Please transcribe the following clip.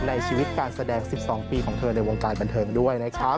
ในชีวิตการแสดง๑๒ปีของเธอในวงการบันเทิงด้วยนะครับ